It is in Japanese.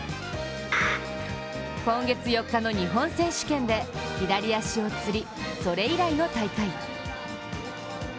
今月４日の日本選手権で左足をつりそれ以来の大会。